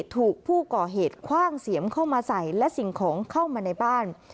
ถูกผู้ก่อเหตุคว่างเสียมเข้ามาใส่และสิ่งของเข้ามาในบ้าน